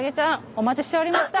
お待ちしておりました。